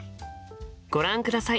ご覧ください。